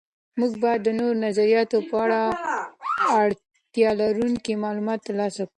موږ باید د نورو نظریاتو په اړه اړتیا لرونکي معلومات تر لاسه کړو.